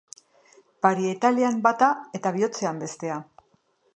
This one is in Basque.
Parietalean bata eta bihotzean bestea.